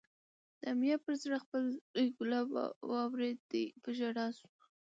د امیة پر زړه خپل زوی کلاب واورېدی، په ژړا شو